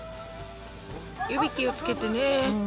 指気を付けてね。